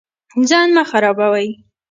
ځان مه خرابوئ